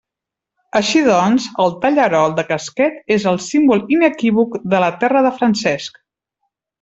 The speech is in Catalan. Així doncs, el tallarol de casquet és el símbol inequívoc de la terra de Francesc.